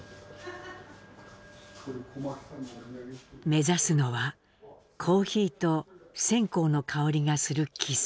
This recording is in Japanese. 目指すのはコーヒーと線香の香りがする喫茶店。